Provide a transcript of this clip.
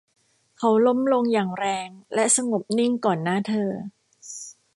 เขาล้มลงอย่างแรงและสงบนิ่งก่อนหน้าเธอ